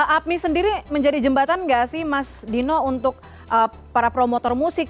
apmi sendiri menjadi jembatan nggak sih mas dino untuk para promotor musik